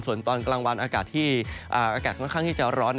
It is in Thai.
ส่วนตอนกลางวันอากาศค่อนข้างที่จะร้อน